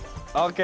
di segmen terakhir